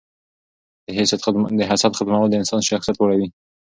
د حسد ختمول د انسان شخصیت لوړوي.